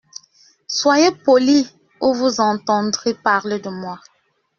Soyez poli ou vous entendrez parler de moi.